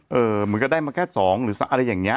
เหมือนกับได้มาแค่๒หรืออะไรอย่างนี้